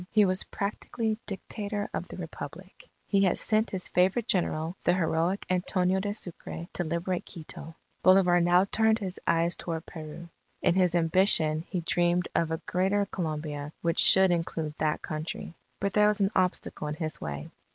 He was practically Dictator of the Republic. He had sent his favourite General, the heroic Antonio de Sucre, to liberate Quito. Bolivar now turned his eyes toward Peru. In his ambition he dreamed of a Greater Colombia which should include that country. But there was an obstacle in his way.